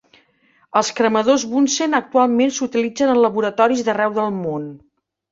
Els cremadors Bunsen actualment s'utilitzen en laboratoris d'arreu del món.